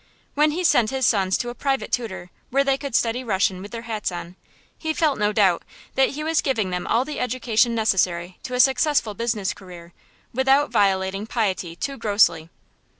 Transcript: When he sent his sons to a private tutor, where they could study Russian with their hats on, he felt, no doubt, that he was giving them all the education necessary to a successful business career, without violating piety too grossly.